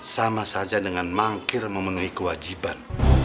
sama saja dengan mangkir memenuhi kewajiban